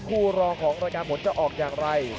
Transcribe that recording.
รองของรายการผลจะออกอย่างไร